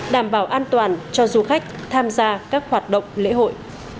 đảm bảo an toàn cho du khách tham gia các hoạt động lễ hội